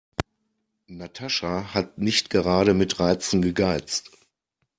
Natascha hat nicht gerade mit Reizen gegeizt.